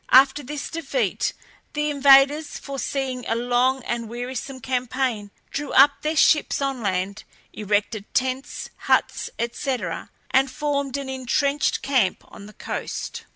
After this defeat the invaders, foreseeing a long and wearisome campaign, drew up their ships on land, erected tents, huts, &c., and formed an intrenched camp on the coast.